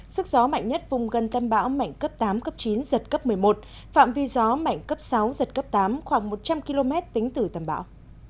sức gió mạnh nhất vùng gần tâm bão mạnh cấp tám cấp chín giật cấp một mươi một phạm vi gió mạnh cấp sáu giật cấp tám khoảng một trăm linh km tính từ tâm bão